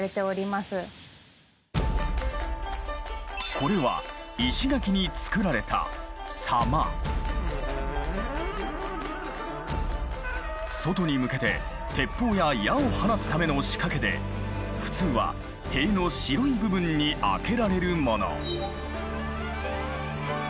これは石垣につくられた外に向けて鉄砲や矢を放つための仕掛けで普通は塀の白い部分にあけられるもの。